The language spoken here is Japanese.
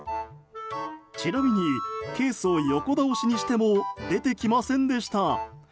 ちなみにケースを横倒しにしても出てきませんでした。